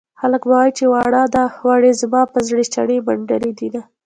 خلک به وايي چې وړه ده وړې زما په زړه چړې منډلې دينه